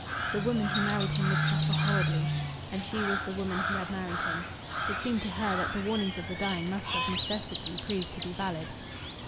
The woman who married him would suffer horribly." And she was the woman who had married him. It seemed to her that the warnings of the dying must of necessity prove to be valid.